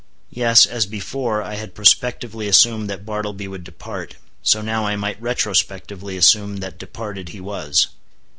Yes, as before I had prospectively assumed that Bartleby would depart, so now I might retrospectively assume that departed he was.